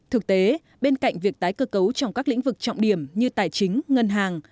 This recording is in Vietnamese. thực tế bên cạnh việc tái cơ cấu trong các lĩnh vực trọng điểm như tài chính ngân hàng